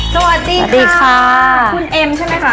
สวัสดีค่ะคุณเอ็มใช่ไหมคะ